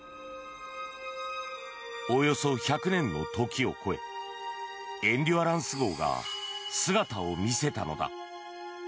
およそ１００年の時を超え「エンデュアランス号」が姿を見せたのだ。